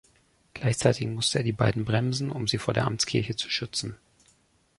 Gleichzeitig musste er die beiden bremsen, um sie vor der Amtskirche zu schützen.